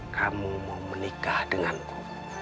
kamu mau menikah denganku